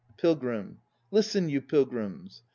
PILGRIM. Listen, you pilgrims.